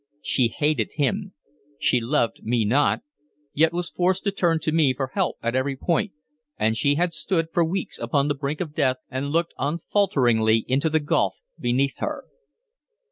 She hated him; she loved me not, yet was forced to turn to me for help at every point, and she had stood for weeks upon the brink of death and looked unfalteringly into the gulf beneath her.